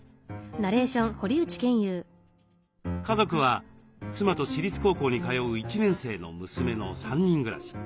家族は妻と私立高校に通う１年生の娘の３人暮らし。